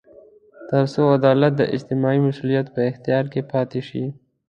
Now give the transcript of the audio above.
تر څو عدالت د اجتماعي مسوولیت په اختیار کې پاتې شي.